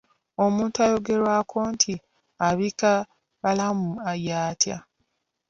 Omuntu ayogerwako nti abika balamu y'atya?